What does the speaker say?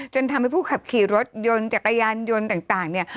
จนทำให้ผู้ขับขี่รถยนต์จักรยานยนต์ต่างเนี่ย